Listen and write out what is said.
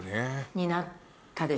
になったでしょ。